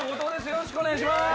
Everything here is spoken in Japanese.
よろしくお願いします。